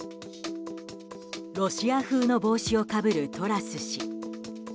ロシア風の帽子をかぶるトラス氏。